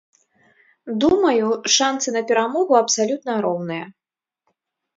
Думаю, шанцы на перамогу абсалютна роўныя.